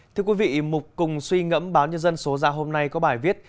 thưa quý vị mục cùng suy ngẫm báo nhân dân số ra hôm nay có bài viết